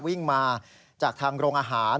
วิ่งมาจากทางโรงอาหาร